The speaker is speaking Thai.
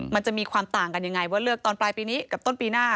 มันจะมีความต่างกันยังไงว่าเลือกตอนปลายปีนี้กับต้นปีหน้า